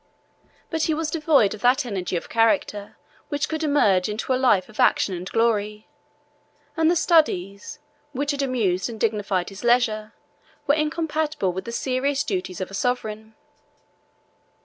But he was devoid of that energy of character which could emerge into a life of action and glory; and the studies, which had amused and dignified his leisure, were incompatible with the serious duties of a sovereign.